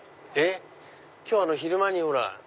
今日昼間にほら。